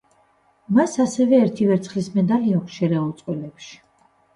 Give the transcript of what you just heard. მას ასევე ერთი ვერცხლის მედალი აქვს შერეულ წყვილებში.